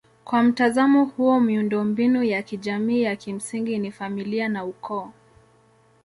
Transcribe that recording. Kwa mtazamo huo miundombinu ya kijamii ya kimsingi ni familia na ukoo.